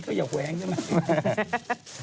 เธออย่าแหวงใช่มั้ย